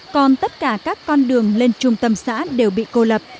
còn tất cả các con đường lên trung tâm xã đều bị cô lập